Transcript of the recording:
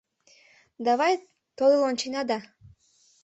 Давай тодыл ончена да.